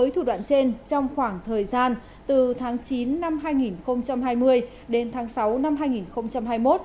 trong khoảng thời gian từ tháng chín năm hai nghìn hai mươi đến tháng sáu năm hai nghìn hai mươi một